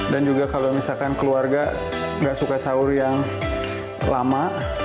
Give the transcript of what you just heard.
dan juga kalau misalkan keluarga nggak suka sahur yang lama